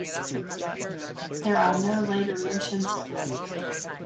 There are no later mentions of her.